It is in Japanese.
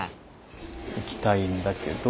行きたいんだけど。